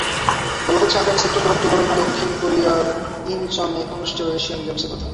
বলা হচ্ছে আগামী সেপ্টেম্বর-অক্টোবরে দক্ষিণ কোরিয়ার ইনচনে অনুষ্ঠেয় এশিয়ান গেমসের কথা।